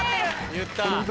言った。